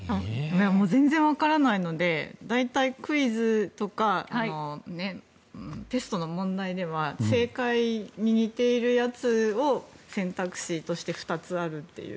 全然分からないので大体クイズとかテストの問題では正解に似ているやつが選択肢として２つあるっていう。